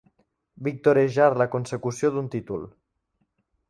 Victorejar la consecució d'un títol.